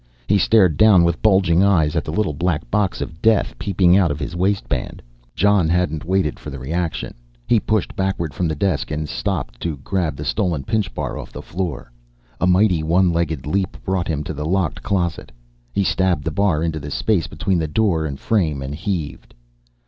He stared down with bulging eyes at the little black box of death peeping out of his waistband. Jon hadn't waited for the reaction. He pushed backward from the desk and stopped to grab the stolen pinch bar off the floor. A mighty one legged leap brought him to the locked closet; he stabbed the bar into the space between the door and frame and heaved.